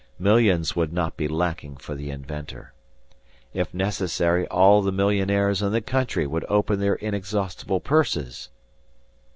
Millions would not be lacking for the inventor. If necessary all the millionaires in the country would open their inexhaustible purses!